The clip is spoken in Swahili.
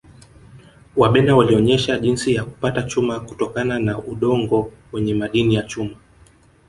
wabena walionesha jinsi ya kupata chuma kutokana na udongo wenye madini ya chuma